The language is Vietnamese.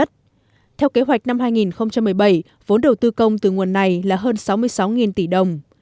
theo kế hoạch năm hai nghìn một mươi bảy vốn đầu tư công từ nguồn này là hơn sáu mươi sáu tỷ đồng